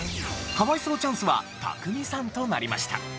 可哀想チャンスはたくみさんとなりました。